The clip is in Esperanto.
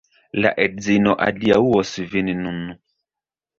La edzino adiaŭos vin nun